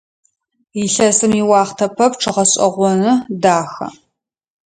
Илъэсым иуахътэ пэпчъ гъэшӀэгъоны, дахэ.